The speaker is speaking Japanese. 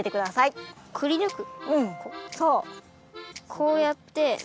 こうやって。